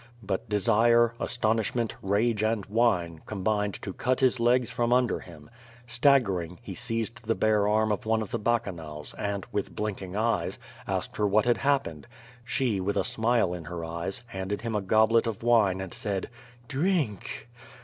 But desire, astonishment, rage, and wine, combined to cut his legs from under Iiim. Staggering, he seized the bare arm of one of the Bacchanals and, with blinking eyes, asked her wliat 72 QVO VADI8. had happened. She, with a smile in her eyes, handed him a goblet of wine and said: "Drink!"